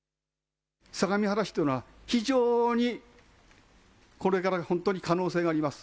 相模原市というのは非常にこれから本当に可能性があります。